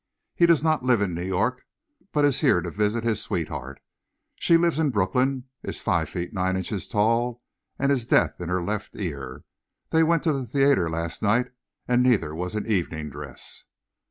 He does not live in New York, but is here to visit his sweetheart. She lives in Brooklyn, is five feet nine inches tall, and is deaf in her left ear. They went to the theatre last night, and neither was in evening dress."